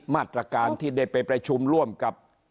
มาตรการที่ได้ไปประชุมร่วมกับ